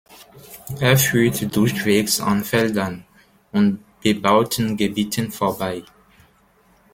Er führt durchwegs an Feldern und bebauten Gebieten vorbei.